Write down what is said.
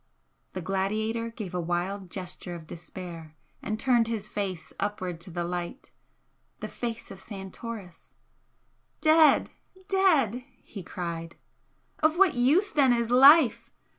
The gladiator gave a wild gesture of despair and turned his face upward to the light THE FACE OF SANTORIS! "Dead! dead!" he cried "Of what use then is life?